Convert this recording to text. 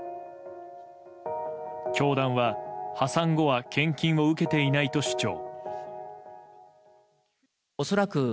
教団は破産後は献金を受けていないと主張。